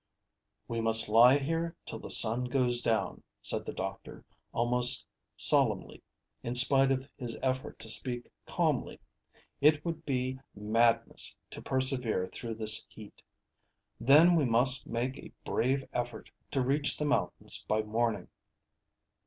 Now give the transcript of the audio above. "We must lie here till the sun goes down," said the doctor, almost solemnly, in spite of his effort to speak calmly; "it would be madness to persevere through this heat. Then we must make a brave effort to reach the mountains by morning."